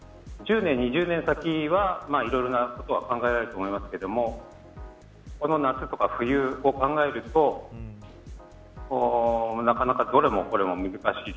１０年、２０年先はいろいろなことが考えられると思いますがこの夏とか、冬を考えるとなかなかどれもこれも難しい。